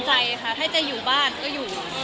เพราะตามใจถ้าอยู่บ้านก็อยู่